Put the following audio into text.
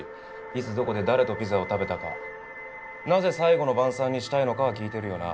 いつどこで誰とピザを食べたかなぜ最後の晩餐にしたいのかは聞いてるよな？